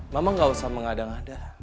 mama gak usah mengadah ngadah